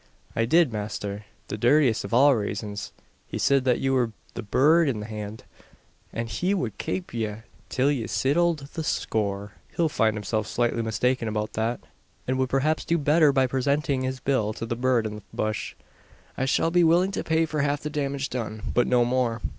"I did, masther the dhirtiest av all raisuns. He sid that you were the bird in the hand; an he wud kape ye till yez sittled the score." "He'll find himself slightly mistaken about that; and would perhaps do better by presenting his bill to the bird in the bush. I shall be willing to pay for half the damage done; but no more.